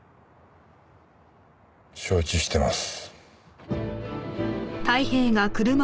承知してます。